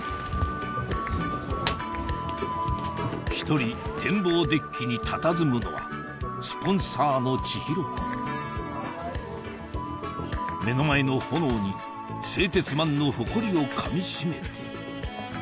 １人展望デッキにたたずむのはスポンサーの智広君目の前の炎に製鉄マンの誇りをかみしめていたのかな？